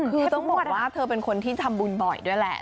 คือต้องบอกว่าเธอเป็นคนที่ทำบุญบ่อยด้วยแหละ